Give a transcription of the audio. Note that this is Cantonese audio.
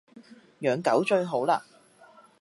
養狗最好喇